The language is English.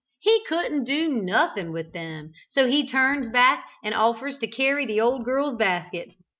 He couldn't do nothing with them, so he turns back and offers to carry the old girl's basket.